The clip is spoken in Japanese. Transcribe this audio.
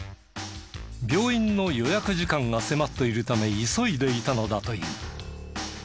病院の予約時間が迫っているため急いでいたのだという。